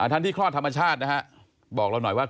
ท่านที่คลอดธรรมชาตินะฮะบอกเราหน่อยว่า